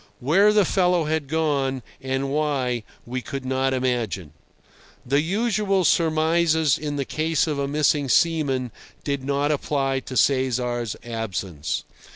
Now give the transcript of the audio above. Where the fellow had gone, and why, we could not imagine. The usual surmises in the case of a missing seaman did not apply to Cesar's absence.